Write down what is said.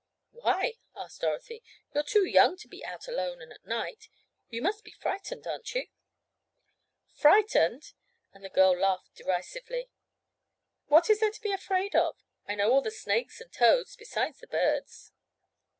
"Why?" asked Dorothy. "You're too young to be out alone and at night. You must be frightened; aren't you?" "Frightened?" and the girl laughed derisively. "What is there to be afraid of? I know all the snakes and toads, besides the birds."